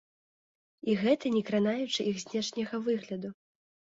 І гэта не кранаючы іх знешняга выгляду.